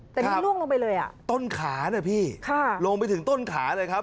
แต่มันล่วงลงไปเลยอ่ะครับต้นขาเนี่ยพี่ลงไปถึงต้นขาเลยครับ